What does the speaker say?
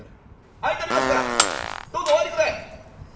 開いとりますからどうぞお入りくだい」。